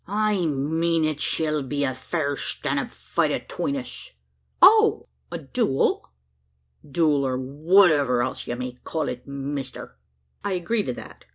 "I mean, it shall be a fair stan' up fight atween us." "Oh! a duel?" "Duel, or whatever else ye may call it, mister." "I agree to that.